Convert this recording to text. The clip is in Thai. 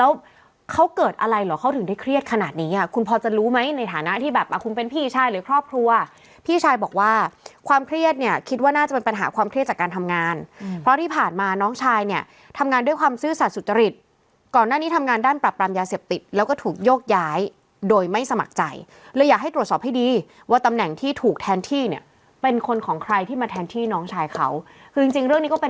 เขาเขาเกิดอะไรเหรอเขาถึงได้เครียดขนาดนี้อ่ะคุณพอจะรู้ไหมในฐานะที่แบบอาคุมเป็นพี่ชายหรือครอบครัวพี่ชายบอกว่าความเครียดเนี่ยคิดว่าน่าจะเป็นปัญหาความเครียดจากการทำงานเพราะที่ผ่านมาน้องชายเนี่ยทำงานด้วยความซื้อสัตว์สุจริตก่อนหน้านี้ทำงานด้านปรับปรามยาเสพติดแล้วก็ถูกยกย้ายโดยไม่สมัครใจ